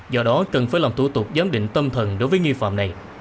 do đó cần phải làm thủ tục giám định tâm thần đối với nghi phạm này